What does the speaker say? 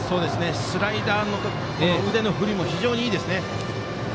スライダーの腕の振りも非常にいいですよね。